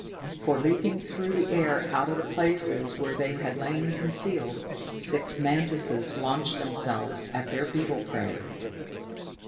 For, leaping through the air out of the places where they had lain concealed, six mantises launched themselves at their beetle prey.